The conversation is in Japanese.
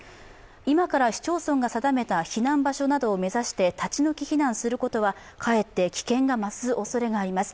今から市町村が定めた避難場所などを目指して立ち退き避難することはかえって危険が増すおそれがあります。